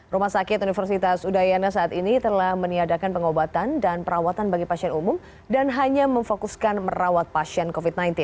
rumah sakit universitas udayana saat ini telah meniadakan pengobatan dan perawatan bagi pasien umum dan hanya memfokuskan merawat pasien covid sembilan belas